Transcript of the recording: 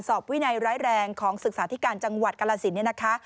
สอบวินัยร้ายแรงของศึกษาธิการจังหวัดกละศิลป์